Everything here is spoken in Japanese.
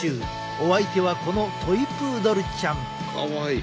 お相手はこのトイプードルちゃん。